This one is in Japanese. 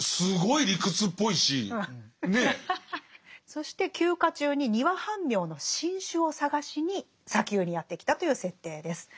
そして休暇中にニワハンミョウの新種を探しに砂丘にやって来たという設定です。